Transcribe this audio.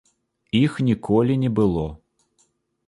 Іх ніколі не было.